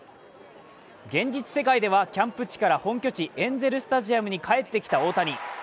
現実世界では、キャンプ地から本拠地エンゼルスタジアムに帰ってきた大谷。